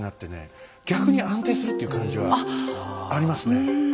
逆に安定するっていう感じはありますね。